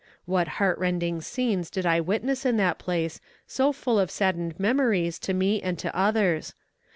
What heart rending scenes did I witness in that place, so full of saddened memories to me and to others.